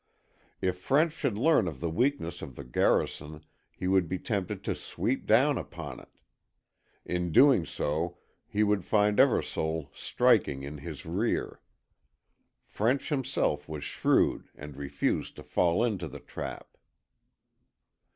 If French should learn of the weakness of the garrison he would be tempted to sweep down upon it. In doing so he would find Eversole striking in his rear. French himself was shrewd and refused to fall into the trap.